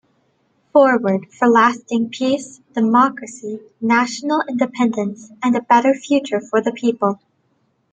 Forward for Lasting Peace, Democracy, National Independence and a better future for the people!